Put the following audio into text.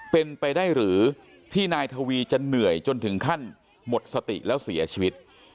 เป็นไปได้หรือที่นายทวีจะเหนื่อยจนถึงขั้นหมดสติแล้วเสียชีวิต